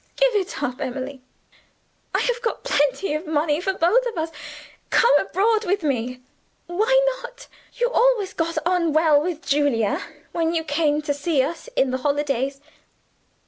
Give it up, Emily! I have got plenty of money for both of us; come abroad with me. Why not? You always got on well with Julia, when you came to see us in the holidays.